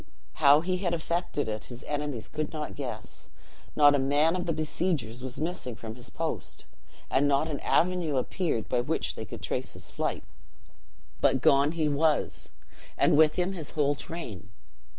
"'How he had effected it, his enemies could not guess. Not a man of the besiegers was missing from his post; and not an avenue appeared by which they could trace his flight: but gone he was, and with him his whole train.